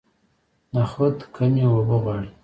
نخود کمې اوبه غواړي.